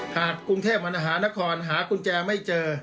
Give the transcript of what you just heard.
หากกรุงเทพมหานครหากุญแจไม่เจอ